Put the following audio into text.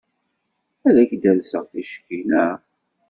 Ad ak-d-alseɣ ticki, naɣ?